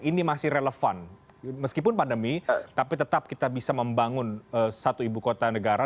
ini masih relevan meskipun pandemi tapi tetap kita bisa membangun satu ibu kota negara